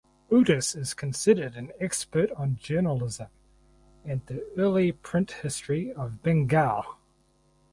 Otis is considered an expert on journalism and the early print history of Bengal.